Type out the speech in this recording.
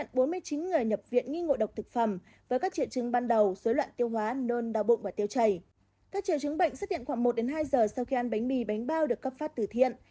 các triệu chứng bệnh xuất hiện khoảng một hai giờ sau khi ăn bánh mì bánh bao được cấp phát từ thiện